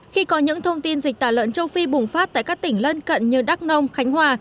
khi có những thông tin dịch tả lợn châu phi bùng phát tại các tỉnh lân cận như đắk nông khánh hòa